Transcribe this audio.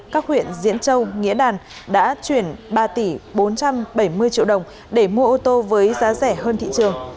các huyện diễn châu nghĩa đàn đã chuyển ba tỷ bốn trăm bảy mươi triệu đồng để mua ô tô với giá rẻ hơn thị trường